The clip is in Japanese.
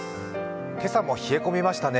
今朝も冷え込みましたね。